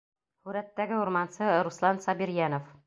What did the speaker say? Һүрәттәге урмансы — Руслан Сабирйәнов.